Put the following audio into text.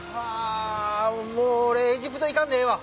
もう俺エジプト行かんでええわ